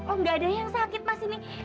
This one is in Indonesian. oh nggak ada yang sakit mas ini